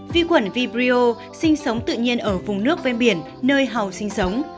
vi khuẩn vibrio sinh sống tự nhiên ở vùng nước ven biển nơi hầu sinh sống